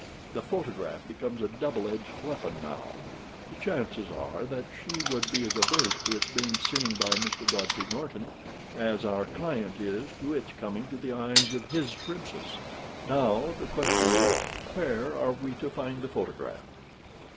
The photograph becomes a double edged weapon now. The chances are that she would be as averse to its being seen by Mr. Godfrey Norton as our client is to its coming to the eyes of his princess. Now the question is—where are we to find the photograph?"